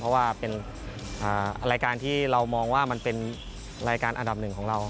เพราะว่าเป็นรายการที่เรามองว่ามันเป็นรายการอันดับหนึ่งของเรา